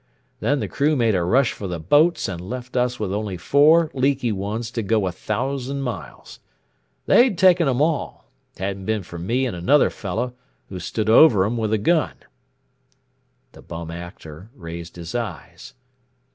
Then the crew made a rush for the boats and left us with only four leaky ones to go a thousand miles. They'd taken 'em all, hadn't been for me and another fellow who stood over them with a gun." The Bum Actor raised his eyes.